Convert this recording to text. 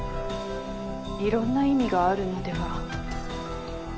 いろんな意味があるのでは。